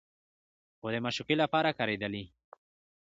خو د معشوقې لپاره کارېدلي